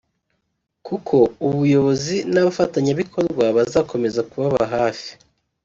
kuko ubuyobozi n’abafatanyabikorwa bazakomeza kubaba hafi